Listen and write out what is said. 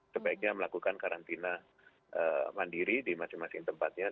sebaiknya melakukan karantina mandiri di masing masing tempatnya